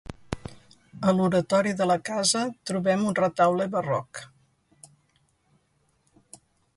A l'oratori de la casa trobem un retaule barroc.